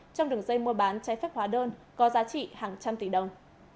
trong đường dây mua bán trái phép hóa đơn có giá trị hàng trăm tỷ đồng